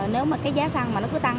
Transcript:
nếu mà cái giá xăng mà nó cứ tăng